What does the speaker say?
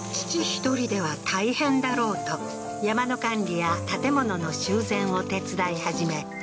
一人では大変だろうと山の管理や建物の修繕を手伝い始め